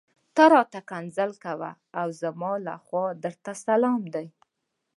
ته راته ښکنځل کوه او زما لخوا درته سلام دی.